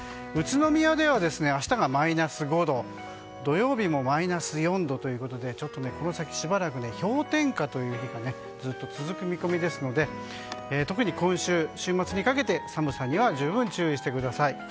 宇都宮では明日がマイナス５度土曜日もマイナス４度ということでこの先、しばらくは氷点下という日がずっと続く見込みですので特に今週週末にかけて寒さには十分、注意してください。